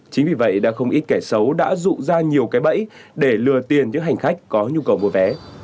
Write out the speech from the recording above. chính vì vậy đã không ít kẻ xấu đã rụ ra nhiều cái bẫy để lừa tiền những hành khách có nhu cầu mua vé